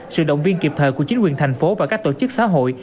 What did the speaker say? sự động viên kịp thời của chính quyền thành phố và các tổ chức xã hội